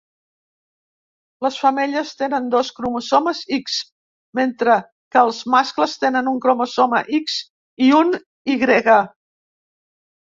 Les femelles tenen dos cromosomes X, mentre que els mascles tenen un cromosoma X i un Y.